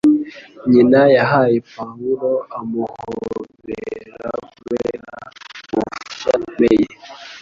Nyina yahaye Pawulo amuhobera kubera ubufasha bukomeye